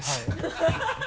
ハハハ